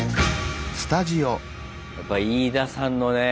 やっぱイイダさんのね。